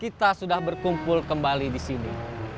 kita sudah berkumpul kembali di sini